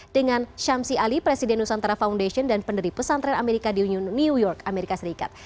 dengan syamsi ali presiden nusantara foundation dan pendiri pesantren amerika di new york amerika serikat